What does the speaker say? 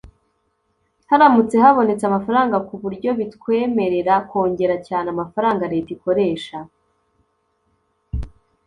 haramutse habonetse amafaranga ku buryo bitwemerera kongera cyane amafaranga leta ikoresha